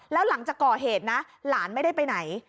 แล้วหลังจากก่อเหตุนะหลานไม่ได้ไปไหน